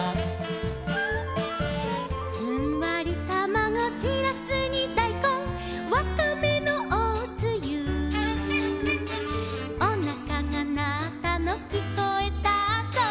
「ふんわりたまご」「しらすにだいこん」「わかめのおつゆ」「おなかがなったのきこえたぞ」